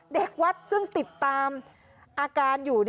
เด็กวัดซึ่งติดตามอาการอยู่